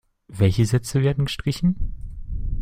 Welche Sätze werden gestrichen?